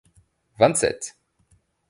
vingt-sept